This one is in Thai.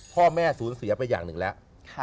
พ่อแม่สูญเสียไปอย่างหนึ่งแล้ว